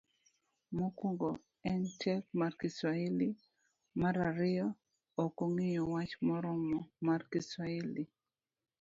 mokuongo en tek mar kiswahili .mar ariyo. Okong'eyo wach moromo mar kiswahili.